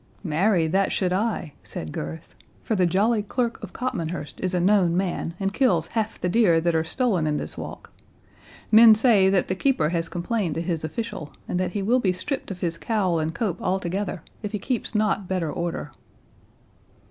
"Marry, that should I," said Gurth, "for the jolly Clerk of Copmanhurst is a known man, and kills half the deer that are stolen in this walk. Men say that the keeper has complained to his official, and that he will be stripped of his cowl and cope altogether, if he keeps not better order."